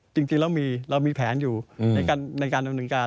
จริงแล้วเรามีแผนอยู่ในการดำเนินการ